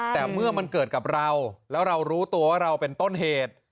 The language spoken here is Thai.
แต่เมื่อมันเกิดกับเราแล้วเรารู้ตัวว่าเราเป็นต้นเหตุ